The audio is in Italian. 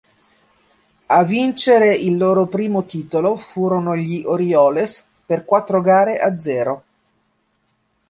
A vincere il loro primo titolo furono gli Orioles per quattro gare a zero.